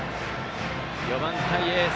４番、対エース。